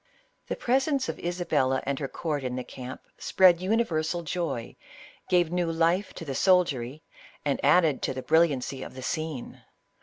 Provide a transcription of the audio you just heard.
The presence of Isabella and her court in the camp, spread universal joy, gave new life to the soldiery, and added to the brilliancy of the scene.